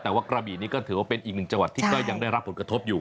แต่ว่ากระบีนี้ก็ถือว่าเป็นอีกหนึ่งจังหวัดที่ก็ยังได้รับผลกระทบอยู่